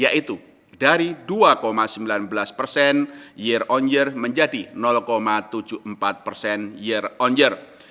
yaitu dari dua sembilan belas persen year on year menjadi tujuh puluh empat persen year on year